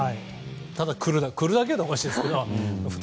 ただ来るだけって言ったらおかしいですけど。